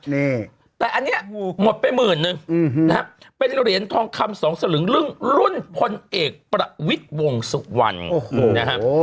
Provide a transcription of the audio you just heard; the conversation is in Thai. เนี่ยแต่อันนี้หมดไปหมื่นเป็นเหรียญทองคำสสรลลึ่งรุ่นพลเอกพลวิตวงสุวรรณ